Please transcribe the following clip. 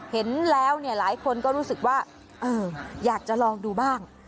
เห็นแล้วเนี่ยหลายคนก็รู้สึกว่าอยากจะลองดูบ้าง